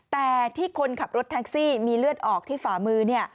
แต่ที่คนขับรถแท็กซี่มีเลือดออกที่ฝ่ามือ